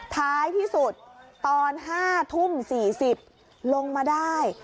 ท้ายที่สุดตอน๕ทุ่ม๔๐ลงมาได้